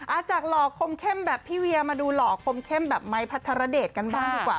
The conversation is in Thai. จากหล่อคมเข้มแบบพี่เวียมาดูหล่อคมเข้มแบบไม้พัทรเดชกันบ้างดีกว่า